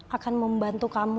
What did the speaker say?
akan membantu kamu